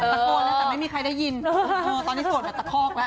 ตะโกนแล้วแต่ไม่มีใครได้ยินตอนนี้โสดแบบตะคอกแล้ว